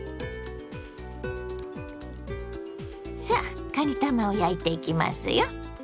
さあかにたまを焼いていきますよ。